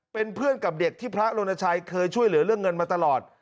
เป็นเพื่อนกับเด็กที่พระรณชัยเคยช่วยเหลือเรื่องเงินมาตลอด